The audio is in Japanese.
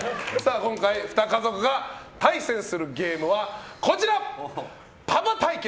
今回、２家族が対戦するゲームはパパ対決！